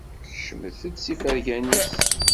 Kecmet-d s ifergan-is.